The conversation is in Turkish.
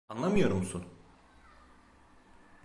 Anlamıyor musun?